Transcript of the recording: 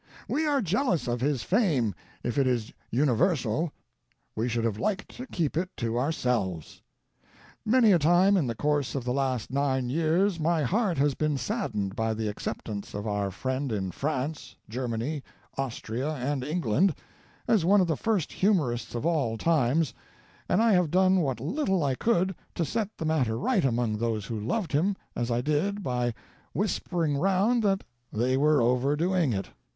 We are jealous of his fame if it is universal; we should have liked to keep it to ourselves. Many a time in the course of the last nine years my heart has been saddened by the acceptance of our friend in France, Germany, Austria, and England, as one of the first humorists of all times, and I have done what little I could to set the matter right among those who loved him as I did by whispering round that they were overdoing it.